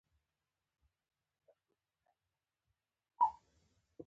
د ابوالوفاء افغاني نوم یې لیکلی و.